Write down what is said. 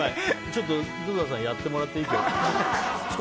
ちょっと井戸田さんやってもらっていい？